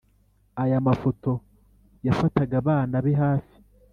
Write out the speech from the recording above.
aya maboko yafataga abana be hafi,